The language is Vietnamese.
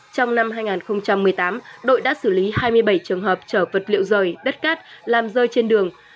trong năm hai nghìn một mươi tám đội đã xử lý hai mươi bảy trường hợp chở vật liệu rời đất cát làm rơi trên đường